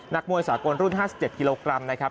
นักมวยสากลรุ่น๕๗กิโลกรัมนะครับ